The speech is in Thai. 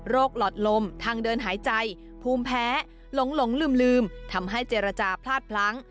หลอดลมทางเดินหายใจภูมิแพ้หลงลืมทำให้เจรจาพลาดพลั้ง